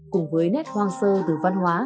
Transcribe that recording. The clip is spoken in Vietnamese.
cùng với nét hoang sơ từ văn hóa